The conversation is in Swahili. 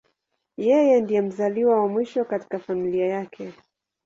Yeye ndiye mzaliwa wa mwisho katika familia yake.